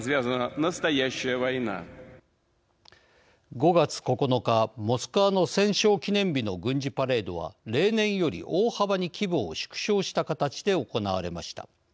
５月９日、モスクワの戦勝記念日の軍事パレードは例年より大幅に規模を縮小した形で行われました。